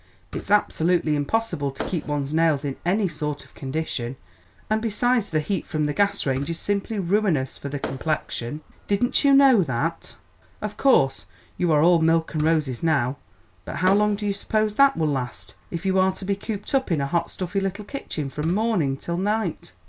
It's absolutely impossible to keep one's nails in any sort of condition, and besides the heat from the gas range is simply ruinous for the complexion. Didn't you know that? Of course you are all milk and roses now, but how long do you suppose that will last, if you are to be cooped up in a hot, stuffy little kitchen from morning till night?"